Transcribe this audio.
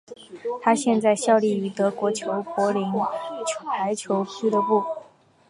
他现在效力于德国球队柏林排球俱乐部。